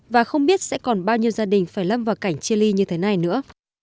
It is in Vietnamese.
và không biết sẽ còn bao nhiêu gia đình phải lâm vào cảnh chia ly như thế này nữa